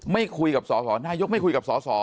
ไม่คุยกับสสนายกไม่คุยกับสส